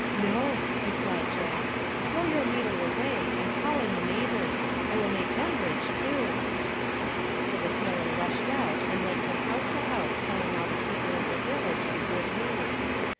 " No," replied Jack, " throw your needle away and call in the neighbors. I will make them rich, too." THE DONKEY, THE TABLE, AND THE STICK 293 So the tailor rushed out and went from house to house telling all the people of the village the good news.